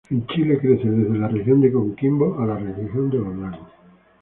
En Chile crece desde la Región de Coquimbo a Región de Los Lagos.